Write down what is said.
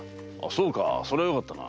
そうかそれはよかったな。